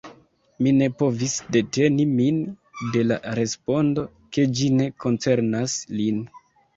Mi ne povis deteni min de la respondo, ke ĝi ne koncernas lin.